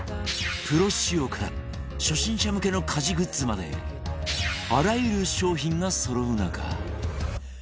プロ仕様から初心者向けの家事グッズまであらゆる商品がそろう中